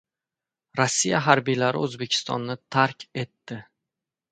Rossiya harbiylari O‘zbekistonni tark etdi